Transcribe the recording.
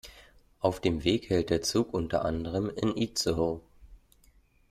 Auf dem Weg hält der Zug unter anderem in Itzehoe.